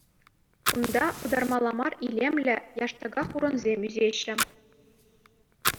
Кунта ытармалла мар илемлӗ яштака хурӑнсем ӳсеҫҫӗ.